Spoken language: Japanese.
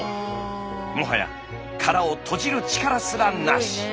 もはや殻を閉じる力すらなし。